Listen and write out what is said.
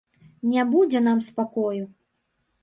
Не будзе нам спакою.